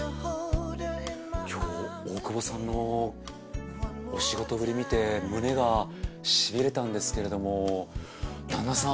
今日大久保さんのお仕事ぶりを見て胸がしびれたんですけれども旦那さん